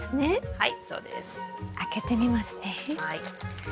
はい。